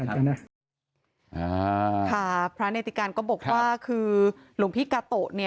จะบอกว่าคือหลวงพี่กาโต